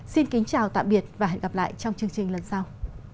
xin kính chào tạm biệt và hẹn gặp lại trong chương trình lần sau